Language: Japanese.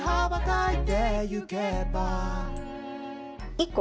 １個。